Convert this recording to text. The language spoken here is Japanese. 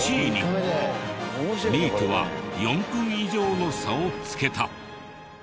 ２位とは４分以上の差をつけた。